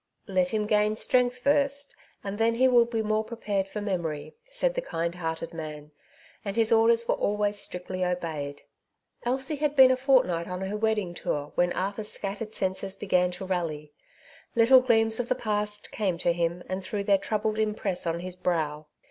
'' Let him gain strength first, and then he will bo more prepared for memory,'' sai<l the kind hearted man; and his orders were always strictly obeyed. Elsie had been a fortnight on her wedding tour when Arthur's scattered senses began to rally. Little gleams of the past came to him, and threw their troubled impress on his brow.